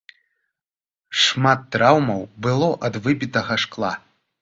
Шмат траўмаў было ад выбітага шкла.